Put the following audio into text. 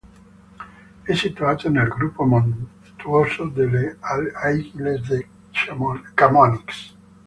È situato nel gruppo montuoso delle Aiguilles de Chamonix.